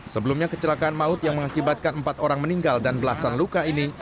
sebelumnya kecelakaan maut yang mengakibatkan empat orang meninggal dan belasan luka ini